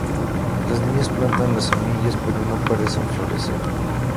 Las niñas plantan las semillas, pero no parecen florecer.